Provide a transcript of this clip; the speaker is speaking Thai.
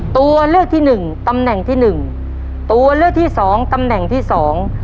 ตัวเลือกที่หนึ่งตำแหน่งที่หนึ่งตัวเลือกที่สองตำแหน่งที่สอง